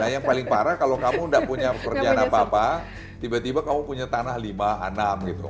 yang paling parah kalau kamu tidak punya pekerjaan apa apa tiba tiba kamu punya tanah lima enam gitu